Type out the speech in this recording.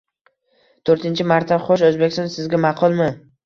Toʻrtinchi marta?! Xoʻsh, Oʻzbekiston sizga ma’qulmi?